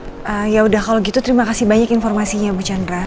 eeeh yaudah kalo gitu terima kasih banyak informasinya bu chandra